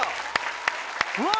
うわ！